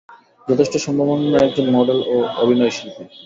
যথেষ্ট সম্ভাবনাময় একজন মডেল ও অভিনয়শিল্পী।